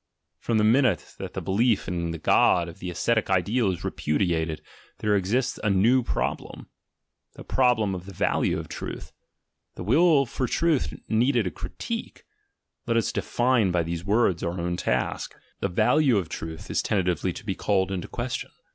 From the minute that the belief in the God of the ascetic ideal is repudiated, there exists a ncd) problem: the problem of the value of truth. The Will for Truth needed a critique— let us define by these rds our own task — the value of truth is tentatively to be called in question.